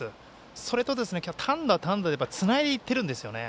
それと単打、単打でつないでいってるんですよね。